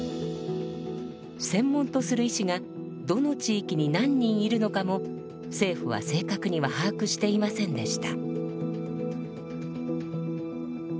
専門とする医師がどの地域に何人いるのかも政府は正確には把握していませんでした。